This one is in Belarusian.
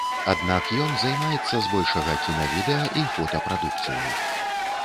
Аднак ён займаецца збольшага кіна-відэа і фота прадукцыяй.